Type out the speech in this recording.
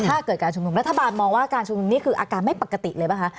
ถ้าเกิดการชุมนุมรัฐบาลมองว่าการชุมนุมนี่คืออาการไม่ปกติเลยป่ะคะ